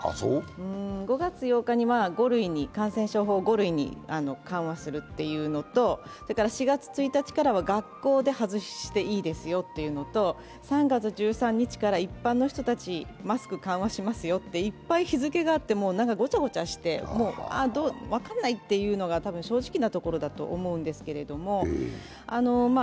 ５月８日に感染症法５類に緩和するというのとそれから４月１日からは学校で外していいですよというのと、３月１３日から一般の人たち、マスクを緩和しますよといっぱい日付があってごちゃごちゃして分かんないというのが正直なところだと思うんですけれども。